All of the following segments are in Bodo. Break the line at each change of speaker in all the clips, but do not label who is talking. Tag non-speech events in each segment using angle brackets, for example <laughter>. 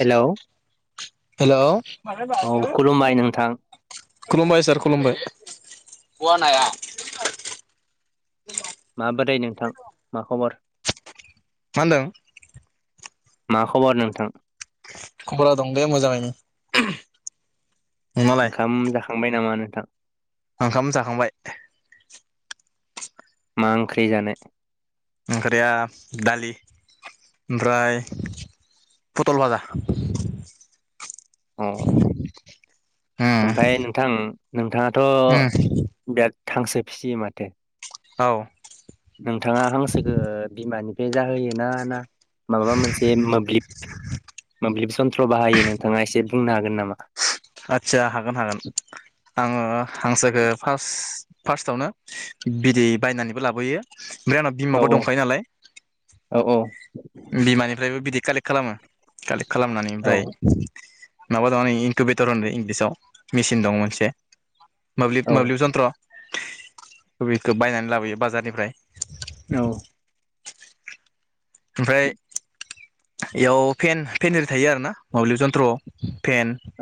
हेलौ
हेलौ
औ खुलुमबाय नोंथां
खुलुमबाय सार खुलुमबाय खवानाया
माबोरै नोंथां मा खबर
मा होनदों
मा खबर नोंथां
खबरा दं दे मोजां यैनो।
ओंखाम ज खांबाय नामा नोंथां?
ओंखाम जाखांबाय
मा ओंख्रि जानाय
ओंख्रिया दालि ओमफ्राय फटल भाजा
अ
उम
ओमफ्राय नोंथां नोंथांङा थ
उम
बे थांसो फिसियो माथो
औ
बे जाहोयोना ना माबा मोनसे मोब्लिब मोब्लिब सन्थ्र बाहायो नोंथाङा एसे बुंनो हागोन नामा?
आदसा हागोन-हागोन आंङो हांसोखौ फार्स्ट फार्स्टआवनो बिदै बायनानैबो लाबोयो फ्राय आंना
औ
बिमाबो दंखायो नालाय
औ
बिमानिफ्रायबो बिदि कालेक्ट खालामो खालामनानै ओमफ्राय माबा दंङ नै इनकुबेटर होनो इंलिसाव मेसिन दंङ मोनसे
औ
मोब्लिब-मोब्लिब जन्त्र कबिखौ बायनानै लाबोयो बाजारनिफ्राय ओमफ्राय एयाव फेन-फेन आरि थायो आरोना मोब्लिब जन्थ्रआव फेन
औ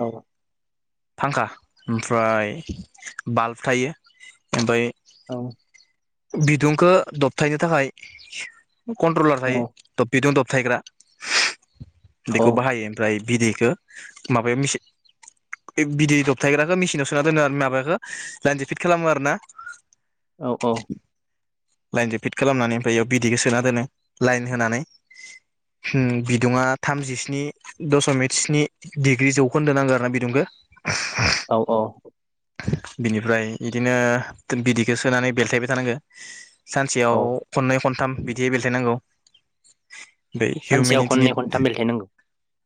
फांखा ओमफ्राय बाल्ब थायो ओमफ्राय
औ
बिदुंखौ दबथायनो थाखाय कन्ट्रलार
औ
थायो बेदिनो थायग्रा बेखौ बाहायो ओमफ्राय बिदैखो माबायाव मेसिन बिदै दबथायग्राखौ मेसिनाव सोना दोनो आरो माबाखो लायन्दो फिट खालामो आरोना।
औ-औ
लाइनजों फिट खालामनानै ओमफ्राय बेयाव बिदैखौ सोना दोनो लाइन होनानै बिदुङा थामजिस्नि दशमिक स्नि डिग्रि जौखोन्दो नांगो आरो ना बिदुंखो
औ औ
बिनिफ्राय बिदिनो बिदैखो सोनानै बेलथायबाय थानांगो
औ
सानसेयाव खननै खनथाम बिदि बेलथायनांगौ। ओमफ्राय
सानसेयाव
हिउमेनिटिनि
खननै खनथाम बेलथाइनांगौ।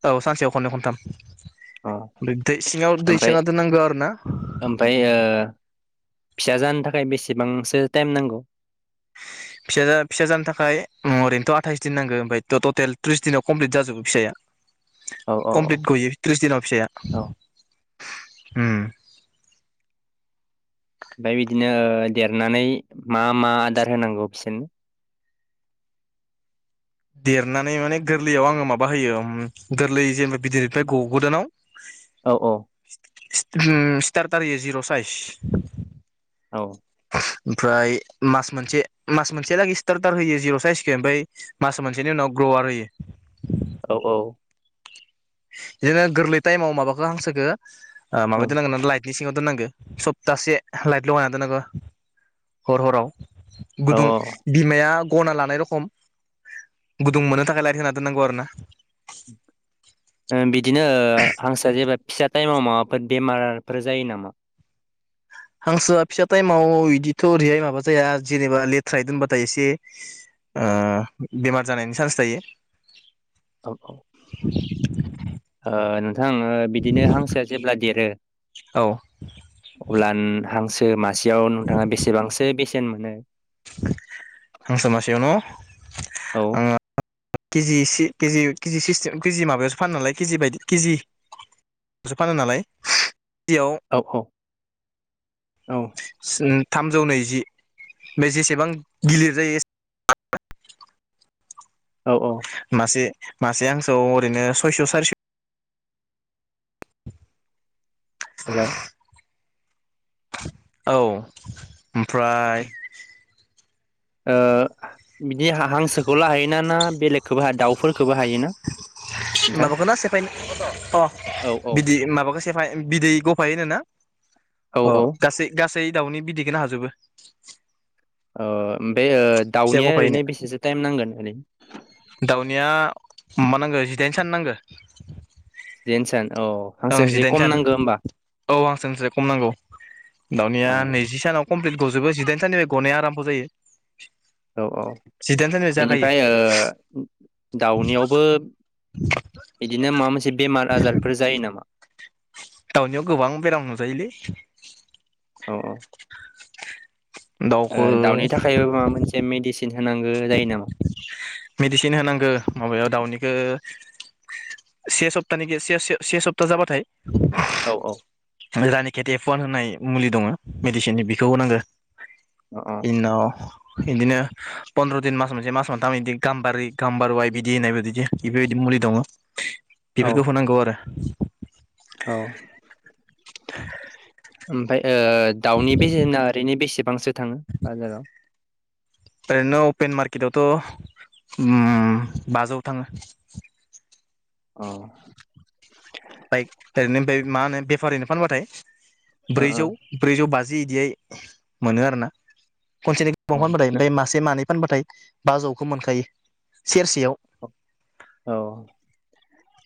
औ सानसेयाव खननै खनथाम दै सिंआव दै
ओमफ्राय
सोना दोननांगौ आरोना
ओमफाय ओ <unintelligible> बेसेबांसो टाइम नांगौ।
फिसा फिसा जानो थाखाय अ ओरैनोथ' आथाइस दिन नांगौ ओमफ्राय थ ट'टेल थ्रिस दिनाव कमप्लिट जाजोबो फिसाया।
औ औ
कमप्लिट गयो त्रिस दिनाव फिसाया।
औ
ओम
ओमफ्राय बिदिनो देरनानै मा-मा आदार होनांगौ बिसोरनो
देरनानै माने गोरलैयाव आङो माबा होयो गोरलै जेनेबा बिदैनिफ्राय गगोदानाव
औ औ
इस स्टार टार यो जिर' साइस।
औ
ओमफ्राय मास मोनसे मास मोनसेलागै स्टार टार होयो जिर' साइसख ओमफ्राय मास मोनसेनि उनाव ग्रवार होयो।
औ औ
बिदिनो गोरलै टाइमाव माबाखौ हांसोखो ओ
औ
माबायदि नांगो <unintelligible> लायत बि सिङाव दोननांगौ सप्तासे लाइट लगायना दोननांगौ हर हराव
औ
गुदुं बिमाया गना लानाय रखम गुदुं मोननो थाखाय लाइट होना दोननांगौ आरो ना।
ओ बिदिनो ओ हांसो जेबा फिसा टाइमाव माबाफोर बेमारफोर जायो नामा?
हांसोआ फिसा टाइमाव इदिथ' ओरैहाय माबा जाया जेनेबा लेथ्रायै दोनबाथाय एसे
औ
ओ बेमार जानायनि चान्स थायो।
औ औ ओ <unintelligible> बिदिनो हांसोआ जेब्ला देरो
औ
अब्ला नो हांसो <inaudible> सेयाव नोंथाङा बेसेबांसो बेसे बेसेन मोनो
हांसो मासेयाव न'
औ
आङो केजि केजि सिस्टेम केजि माबायावसो फानो नालाय केजि बायदि केजिसो फानो नालाय केजियाव
औ औ।
थाम जौ नैजि बे जेसेबां गिलिर जायो
औ औ
मासे मासे हांसो ओरैनो सयस' सारिस'
हेलौ
औ ओमफ्राय
ओ बिदि हांसोखौल' हायोना ना बेलेगखौबो हाया दाउफोरखौबो हायोना? नोंथां?
माबाखौना सेफाय अ
औ औ
बिदि माबाखौ सेफाय बिदै गफायोनो ना?
औ
अ
ओ
गासै गासै फै दाउनि बिदैखौ नों हाजोबो
ओ ओम ओमफ्राय ओ
फिसा
दाउनिया
गफायैनो
ओरैनो बेसेसो टाइम नांगोन ओरैनो
दाउनिया मा नांगो जिदाइन सान नांगो
जेनसन औ
ओं
हांसोनो जे
जिदाइन
खम
सान
नांगौ होमबा
औ हांसोनिसाय खम नांगौ
औ
दाउनिया नैजि सानाव कमप्लिट गजोबो जिदाइनथानिफ्राय गनाया आराम्भ जायो।
औ औ
जिदाइन साननिफ्राय जागायो
बेनिफ्राय ओ दाउनियावबो बिदिनो माबा मोनसे बेमार आजारफोर जायो नामा?
दावनियाव गोबां बेराय नुजायो लै
औ औ।
दाउखौ
दाउनि थाखायबो माबा मोनसे मेडसिन होनांगौ जायो नामा?
मेडिसिन होनांगौ माबायाव दाउनिखौ से सप्तानि से सप्ता जाबाथाय।
औ औ
जानि खेथि फुवान होनाय मुलि दंङ मेडिसिननि बेखौ होनांगौ।
अ
बेनि उनाव बिदिनो पन्द्र दिन मास मोनसे मास मोन थाम इदि गाम्बारि गाम्बारु वाइ बिदि होननाय बिदि बेफोरबायदि मुलि दङ।
औ
बेफोरखौ होनांगौ आरो
औ ओमफ्राय ओ दाउनि बेसेना ओरैनो बेसेबांसो थांङो बाजाराव?
ओरैनो अपेन मार्केटवथ'ओ बाजौ थांङो।
अ'।
बाइक ओरैनो मा होनो बेफारिनो फानबाथाय
ओ
ब्रैजौ, ब्रैजौ बाजि इदियै मोनो आरो ना।
ओ अ
खनसेनि <unintelligible> मासे मानै फानबाथाय बाजौखौ मोनखायो सेरसेयाव।
औ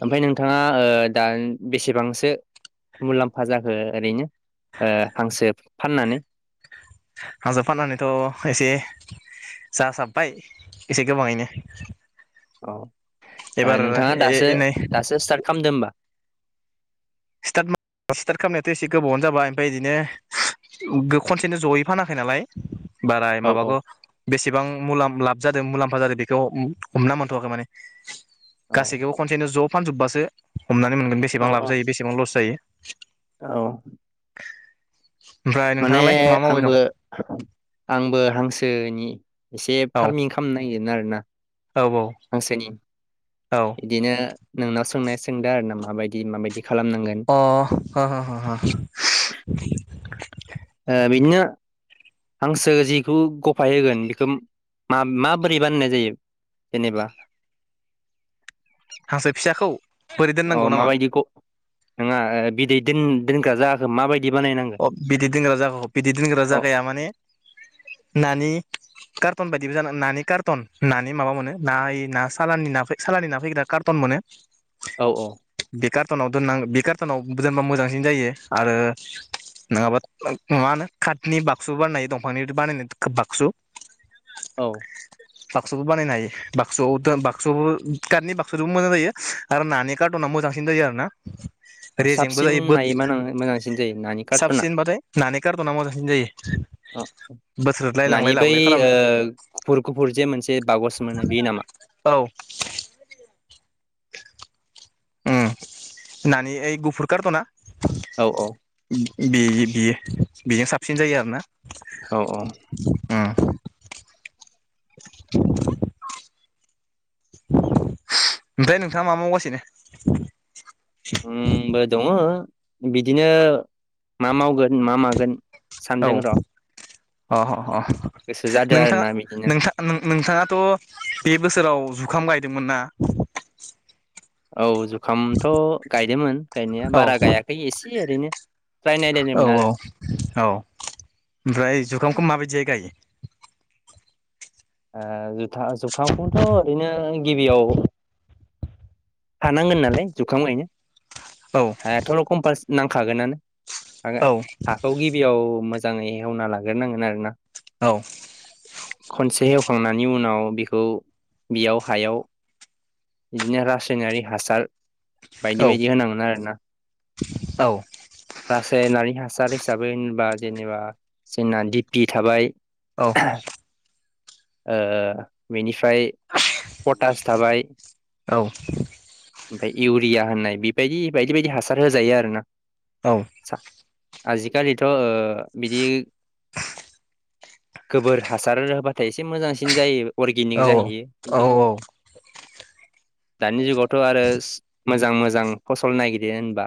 ओमफ्राय नोंथाङा ओ दा बेसेबांसो मुलाम्फा जाखो ओरैनो ओ हांसो फाननानै?
हांसो फाननानैथ' एसे जासाबबाय एसे गोबाङैनो।
औ ओ
एबार
नोंथाङा दासो
ए नै
दासो स्टार्ट खालामदो होमबा?
स्टार्ट खालामनायाथ' एसे गोबावनो जाबाय ओमफ्राय बिदिनो खनसेनो जयै फानाखै नालाय बारा
औ
माबाखौ बेसेबां मुलाम्फा लाब जादों मुलाम्फा जादों बेखौ हमना मोनथ'वाखै माने। गासैखौबो खनसेनो ज' फानजोबबासो हमनानै मोनगोन
औ
बेसेबां लाब
औ
जायो बे सेबां लस जायो।
औ।
ओमफ्राय
माने
नोंथाङालाय मा मावबाय
आंबो
दं
आंबो हांसो नि एसे
औ
फार्मिं खालामनो नागिरदों आरो। ना।
औ
हांसोनि
औ
बिदिनो नोंनाव सोंनाय सोंदों आरो ना माबायदि माबायदि खालामनांगोन
अ' ह 'ह 'ह'।
ओ बिदिनो हांसो जिखौ गफाय होगोन बेखौमाबोरै बानायनाय जायो जेनेबा?
हांसो फिसाखौ? बोरै दोननांगौ
अ'
नामा
माबायदिखौ नङा ओ बिदै दोन दोनग्रा जागाखै मा बायदि
अ' बिदै दोनग्रा जायगाखौ बिदै दोनग्रा
अ
जायगाया माने नानि कार्टन बायदिबो जायोनानि कार्टन नानि माबा मोनो ना ऐ ना सालानि सालानि ना फैग्रा कार्टन मोनो
औ औ।
बे कार्टनाव दोन्नांगोन बे कार्टनाव दोनबा मोजांसिन जायो आरो नंङाबा मा होनो काटनि बाक्सु बानायो दंफांनि बानायनाय बाक्सु
औ।
बाक्सुबो बानायनो हायो बाक्सुआव दोनबा बाक्सु कारट बाक्सुबो मोजां जायो आरो नानि कार्ट'ना मोजांसिन जायो आरोना।
साबसिन मायो मोजांसिन जायो ना
साबसिन बा थाय नानि खारथना मोजांसिन जायो
आं
बोथ्रोदलाय
नानि
लांलाय
बै
लाबोलाय खालामनो
गुफुर-गुफुर जे मोनसे बागस मोनो बे नामा।
औ उम नानि ओइ गुफुर कारथ ना
औ-औ
बे बेयो बेजों साबसिन जायो आरोना।
आंबो
<inaudible> ओमफ्राय नोंथाङा मा मावगासिनोनो?
ओम आंबो दंअ बिदिनो मा मावगोन मा मागोन
औ
सानदों र'
अ
गोसो जादों
नोंथाङा
आरोना बिदिनो
नोंथ नोंथाङाथ बे बोसोराव ज जुखाम गायदोंमोन ना।
औ जु अुखामथ गायदोंमोन गायनाया बारा गायाखै एसे। जि ओरैनो ट्राय नायलायदोंमोन आरो
औ-औ-औ ओमफ्राय जुखामखौ माबायदि गायो? गायो
ओ जुथा जुखामखौथ ओरैनो गिबियाव हानांगोन नालाय जुखाम गायनो।
औ
हाया थ रखमफास नांखागोनानो। आंडों
औ
हाखौ गिबियाव मोस मोजाङै एवना लाग्रनांगोन आरो ना।
औ
<inaudible> खनसे एव होखांनायनि उनाव बिखौ बियाव हायाव बिदिनो रासायनारि हासार। बायदि-बायदि होनांगोन आरो ना
औ
रासायनारि हासार हिसाबै होनबा जेनेबा जोंना दिपि थाबाय।
औ
ओ मिनि फ्राय पथास थाबाय
औ
ओमफफ्राय इउरिया होननाय बेबायदि बायदि-बायदि हासार होजायो आरो ना।
औ।
आजिखालिथ ओ बिदि गोबोर हासार रोबा फाथाय एसे मोजांसिन जायो। अर्गेनिक जाहैयो
औ
खिन्थु। दानि जुगावथ' आरो मोजां मोजां फसल नायागिरो होनबा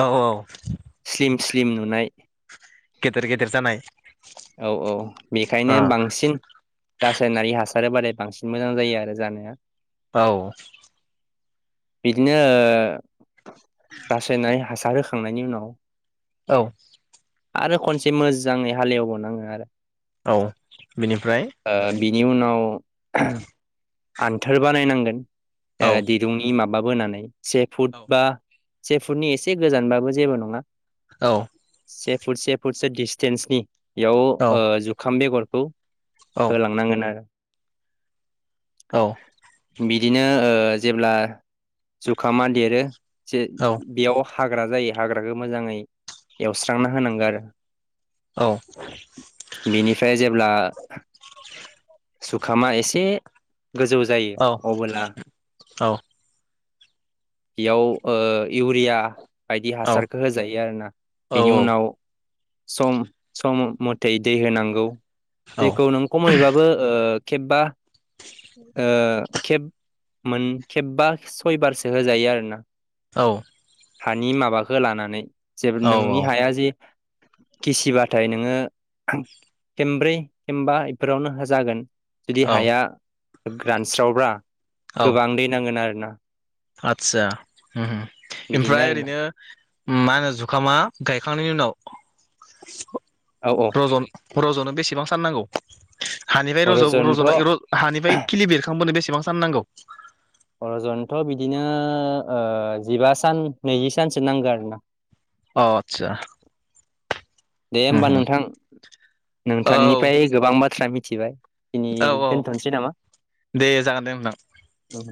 औ औ <inaudible>
स्लिम स्लिम नुनाय
गेदेर गेदेर जानाय
औ औ बेखायनो
ओ
बांसिन रासायनारि हासार होबालाय बांसिन मोजां जायो आरो जानाया।
औ।
बिदिनो रासायनारि हासार होखांनायनि उनाव
औ।
आरो खनसे मोजाङै हालेवबावोनाङो आरो
औ बेनिफ्राय
ओ बिनि उनाव आन्थोर बानायनांगोन ओ
औ
दिरुंनि माब माब बोनानै से फुट
औ
बा से फुटनि एसे गोजानबाबो जेबो नङा।
औ।
से फुट से फुटसो डिसटेन्सनि बेयाव
औ
ओ जुखाम बेगर औ
औ
<inaudible> होलांनांगोन आरो
औ।
बिदिनो ओ जेब्ला जुखामा देरो जे
औ
बेयाव हाग्रा जायो। हाग्राखौ मोजाङै एवस्रांना होनांगौ आरो
औ
बेनिफ्राय जेब्ला <inaudible>
<inaudible>
जुखामा एसे गोजौ जायो अबोला बेयाव ओ युरिया बायदि हासारखौ होजायो आरोना बेनि उनाव सम सम मथै दै होनांगौ। दैखौ नों खमैबाबो ओ खेबबा ओ खेब मोन खेबबा सयबारसो होजायो आरोना
औ
हानि माबाखौ लानानै जेबो नोंनि
औ
हाया जे खिसिबाथाय नोङो खेमब्रै खेमबा इफोरावनो हो जागोन जुदि हाया
औ
ग्रानस्रावब्रा गोबां दै नांगोन आरो ना <inaudible>
आतसा उम उम
बिदिनो
ओमफ्राय
आरोना
ओरैनो मा होनो जुखामा गायखांनायनि उनाव
औ औ
<unintelligible> <unintelligible> रज'नो बेसेबां साननांगौ? हानिफ्राय रज'
अरजनथ'
रज'नाय रज' हानिफ्राय खिलि बेरखांबोनो बेसे बेसेबां सान नांगौ?
र'जनथ' बिदिनो ओ जिबा सान नैजि सानसो नांगो आरोना।
अ आतसा
दे होमबा नोंथां
औ
नोंथांनिफ्राय गोबां बाथ्रा मि थिबाय
औ औ दे जागोन दे नोंथां।
नामा